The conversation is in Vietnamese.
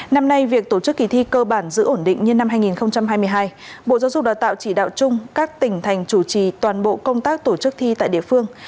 năm nay việc tổ chức kỳ thi cơ bản giữ ổn định như năm hai nghìn hai mươi hai bộ giáo dục đào tạo chỉ đạo chung các tỉnh thành chủ trì toàn bộ công tác tổ chức thi tại địa phương